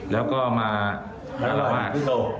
แล้วก็มาระวัง